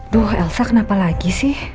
duh elsa kenapa lagi sih